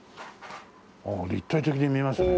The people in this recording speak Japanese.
ああ立体的に見えますね。